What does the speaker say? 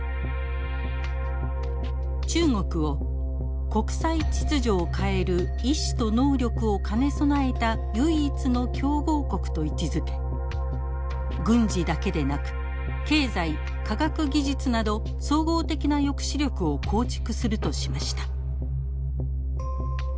中国を国際秩序を変える意思と能力を兼ね備えた唯一の競合国と位置づけ軍事だけでなく経済科学技術など総合的な抑止力を構築するとしました。